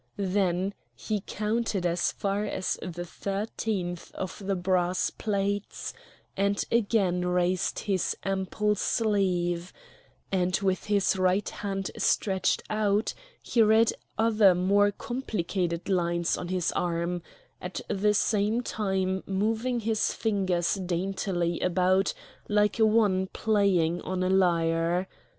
Then he counted as far as the thirteenth of the brass plates and again raised his ample sleeve; and with his right hand stretched out he read other more complicated lines on his arm, at the same time moving his fingers daintily about like one playing on a lyre.